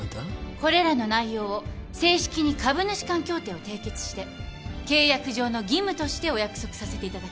これらの内容を正式に株主間協定を締結して契約上の義務としてお約束させていただきます。